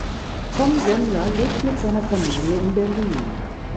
Tom Semmler lebt mit seiner Familie in Berlin.